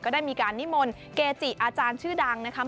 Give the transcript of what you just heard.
ได้มีการนิมนต์เกจิอาจารย์ชื่อดังนะคะ